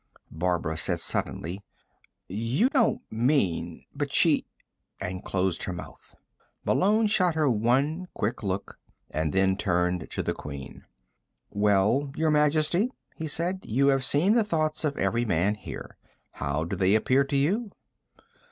Barbara said suddenly: "You don't mean ... but she " and closed her mouth. Malone shot her one quick look, and then turned to the Queen. "Well, Your Majesty?" he said. "You have seen the thoughts of every man here. How do they appear to you?"